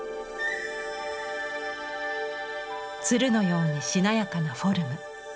鶴のようにしなやかなフォルム。